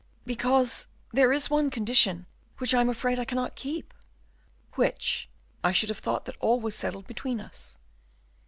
"Because there is one condition which I am afraid I cannot keep." "Which? I should have thought that all was settled between us."